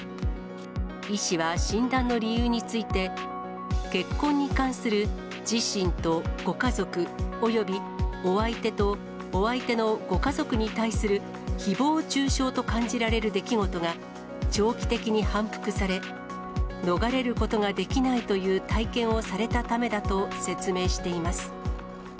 医師は診断の理由について、結婚に関する自身とご家族およびお相手とお相手のご家族に対するひぼう中傷と感じられる出来事が長期的に反復され、逃れることができないという体験をされたためだと説明しています。